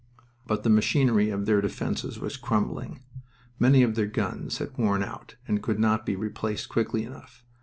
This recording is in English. But the machinery of their defense was crumbling. Many of their guns had worn out, and could not be replaced quickly enough.